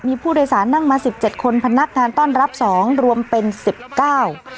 มีผู้โดยสารนั่งมาสิบเจ็ดคนพนักงานต้อนรับสองรวมเป็นสิบเก้า